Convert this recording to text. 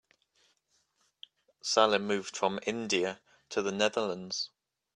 Salim moved from India to the Netherlands.